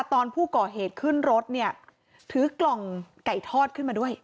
ตอนผู้ก่อเหตุขึ้นรถเนี่ยถือกล่องไก่ทอดขึ้นมาด้วย